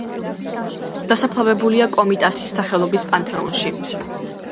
დასაფლავებულია კომიტასის სახელობის პანთეონში.